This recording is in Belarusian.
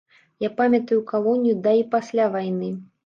Я памятаю калонію да і пасля вайны.